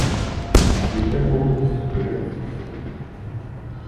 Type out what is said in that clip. Il fut également ministre de la Justice.